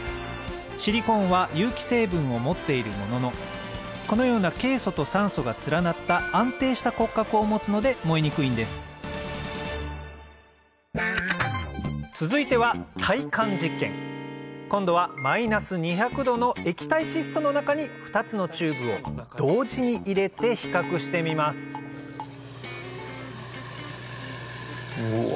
シリコーンは有機成分を持っているもののこのようなケイ素と酸素が連なった安定した骨格を持つので燃えにくいんです続いては今度はマイナス２００℃の液体窒素の中に２つのチューブを同時に入れて比較してみますうわ